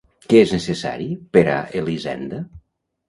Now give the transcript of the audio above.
Què és necessari per a Elisenda?